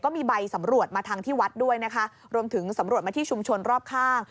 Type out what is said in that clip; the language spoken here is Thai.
มีใบสำรวจมาทางที่วัดด้วยนะคะรวมถึงสำรวจมาที่ชุมชนรอบข้าง